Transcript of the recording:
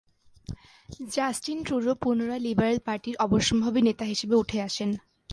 Justin Trudeau পুনরায় liberal পার্টির অবশ্যম্ভাবী নেতা হিসেবে উঠে আসেন।